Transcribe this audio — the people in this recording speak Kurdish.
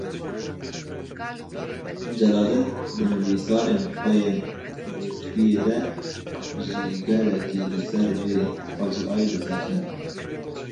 Celadet di nivîsarên xwe yên Serbestîyê de jî gelekî li ser vê facîayê disekine.